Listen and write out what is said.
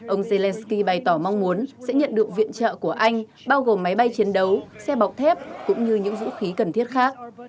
ông zelensky bày tỏ mong muốn sẽ nhận được viện trợ của anh bao gồm máy bay chiến đấu xe bọc thép cũng như những vũ khí cần thiết khác